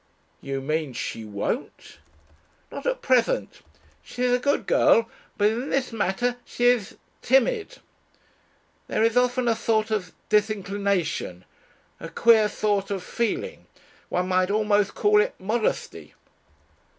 "You mean she won't?" "Not at present. She is a good girl, but in this matter she is timid. There is often a sort of disinclination a queer sort of feeling one might almost call it modesty."